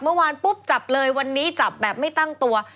เมื่อวานปุ๊บจับเลยวันนี้จับแบบไม่ตั้งตัว